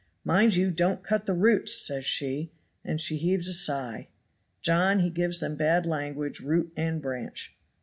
'Mind you don't cut the roots,' says she, and she heaves a sigh. John he gives them bad language, root and branch.